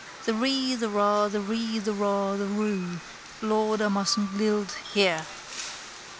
The ree the ra the ree the ra the roo. Lord, I mustn't lilt here.